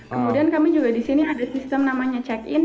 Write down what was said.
kemudian kami juga di sini ada sistem namanya check in